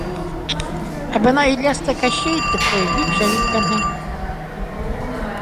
Ә бына Ильясты Кащей итеп ҡуйып — бик шәп иткәнһең!